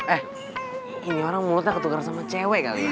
eh ini orang mulutnya ketukar sama cewek kali ya